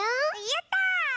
やった！